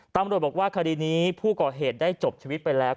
ตำรวจบอกว่าคดีนี้ผู้ก่อเหตุได้จบชีวิตไปแล้ว